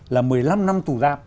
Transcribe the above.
là một mươi năm năm tù giam